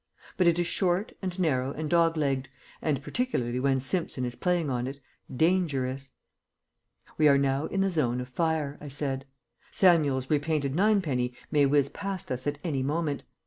But it is short and narrow and dog legged, and, particularly when Simpson is playing on it, dangerous. "We are now in the zone of fire," I said. "Samuel's repainted ninepenny may whiz past us at any moment.